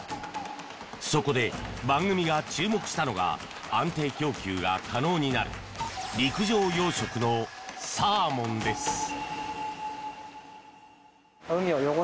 そこで番組が注目したのが安定供給が可能になる陸上養殖のサーモンです。